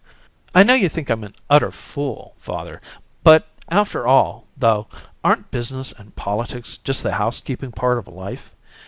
I know you think I'm an utter fool, father, but, after all, though, aren't business and politics just the housekeeping part of life?